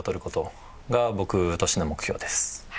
僕としての目標です。